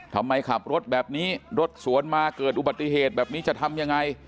ขับรถแบบนี้รถสวนมาเกิดอุบัติเหตุแบบนี้จะทำยังไง